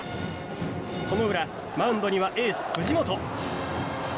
その裏、マウンドにはエース、藤本。